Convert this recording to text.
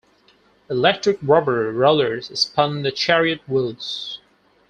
Electric rubber rollers spun the chariot wheels.